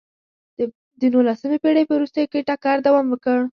د نولسمې پېړۍ په وروستیو کې ټکر دوام وکړ.